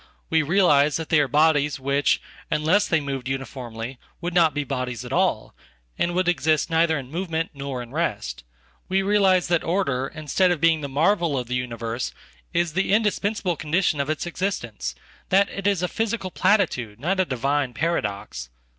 We realize that they are bodies which, unless they moved uniformly, would not be bodies at all, and would exist neither in movement nor in rest. We realize that order, instead of being the marvel of the universe, is the indispensable condition of its existence — that it is a physical platitude, not a divine paradox."